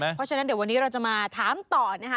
เพราะฉะนั้นเดี๋ยววันนี้เราจะมาถามต่อนะคะ